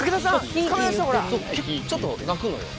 ちょっと鳴くのよ。